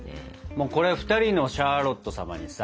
もうこれ２人のシャーロット様にさ。